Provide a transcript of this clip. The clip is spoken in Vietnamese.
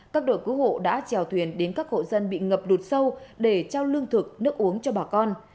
các đội cứu hộ đã trèo thuyền đến các hộ dân bị ngập lụt sâu để trao lương thực nước uống cho bà con